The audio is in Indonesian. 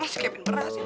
mas kevin berhasil